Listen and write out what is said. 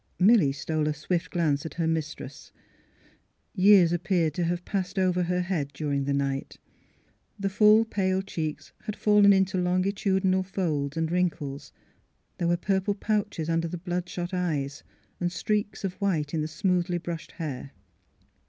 Milly stole a swift glance at her mistress : years appeared to have passed over her head during the night; the full, pale cheeks had fallen into longitudinal folds and wrinkles; there were pur 253 A EAINY DAWN 253 pie pouches under the blood shot eyes ; streaks of white in the smoothly brushed hair.